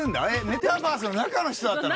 メタバースの中の人だったの？